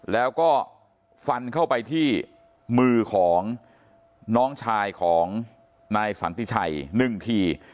แล้วก็ฟันเข้าไปที่มือของน้องชายของนายสันติชัย๑ที